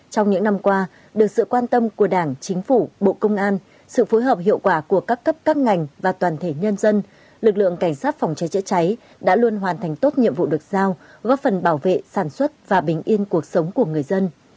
trong những năm qua được sự quan tâm của đảng chính phủ bộ công an sự phối hợp hiệu quả của các cấp các ngành và toàn thể nhân dân lực lượng cảnh sát phòng cháy chữa cháy đã luôn hoàn thành tốt nhiệm vụ được giao góp phần bảo vệ sản xuất và bình yên cuộc sống của người dân